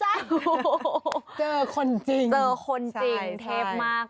เจอคนจริงเจอคนจริงเทพมาก